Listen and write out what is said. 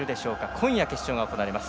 今夜、決勝が行われます。